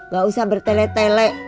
gak usah bertele tele